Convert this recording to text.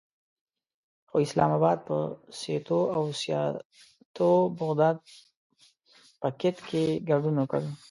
خو اسلام اباد په سیتو او سیاتو او بغداد پکت کې ګډون وکړ.